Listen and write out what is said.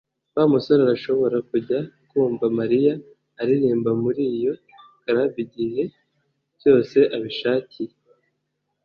Wa musore arashobora kujya kumva Mariya aririmba muri iyo club igihe cyose abishakiye